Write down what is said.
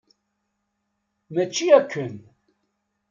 Mačči akken!